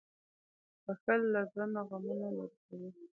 • بښل له زړه نه غمونه لېرې کوي.